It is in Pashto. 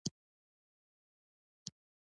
د پښتو ژبې قواعد باید وپېژندل سي.